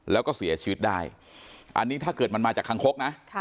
แล้วก็เสียชีวิตได้อันนี้ถ้าเกิดมันมาจากคังคกนะ